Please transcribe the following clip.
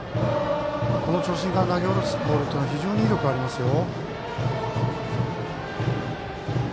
この長身から投げ下ろすボールは非常に威力がありますよ。